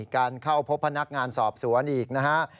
การเข้าพบพนักงานสอบสวนอีกนะฮะ